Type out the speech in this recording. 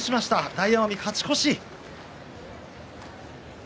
大奄美、勝ち越し。